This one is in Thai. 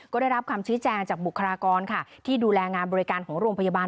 ก็ได้รับคำชี้แจงจากบุคลากรค่ะที่ดูแลงานบริการของโรงพยาบาล